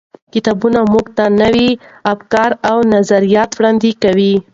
کتابونه موږ ته نوي افکار او نظریات وړاندې کوي.